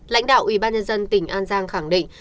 lãnh đạo ủy ban nhân dân tỉnh an giang khẳng định